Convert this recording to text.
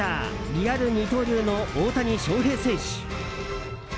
リアル二刀流の大谷翔平選手。